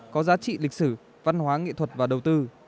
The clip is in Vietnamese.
có giá trị lịch sử văn hóa nghệ thuật và đầu tư